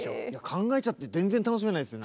考えちゃって全然楽しめないですね。